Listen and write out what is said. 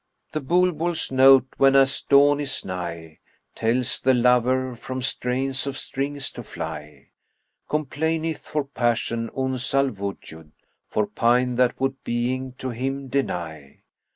"The Bulbul's note, whenas dawn is nigh, * Tells the lover from strains of strings to fly: Complaineth for passion Uns al Wujud, * For pine that would being to him deny.